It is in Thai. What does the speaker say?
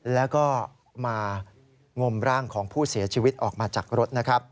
แล้วก็มางมร่างของผู้เสียชีวิตออกมาจากรถนะครับ